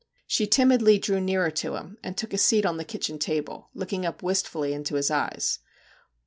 She timidly drew nearer to him and took a seat on the kitchen table, looking up wistfully into his eyes.